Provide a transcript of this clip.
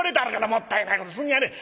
もったいないことすんじゃねえ。